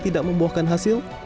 tidak membuahkan hasil